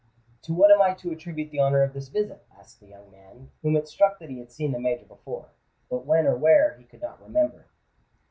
"To what am I to attribute the honour of this visit?" asked the young man, whom it struck that he had seen the Major before—but when or where he could not remember.